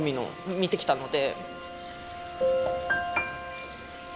見てきたので。